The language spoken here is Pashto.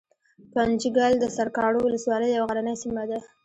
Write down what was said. ګنجګل دسرکاڼو ولسوالۍ يو غرنۍ سيمه ده